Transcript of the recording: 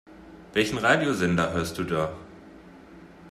Welchen Radiosender hörst du da?